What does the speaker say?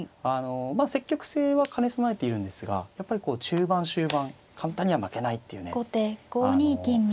積極性は兼ね備えているんですがやっぱりこう中盤終盤簡単には負けないっていうね何ていうんですかね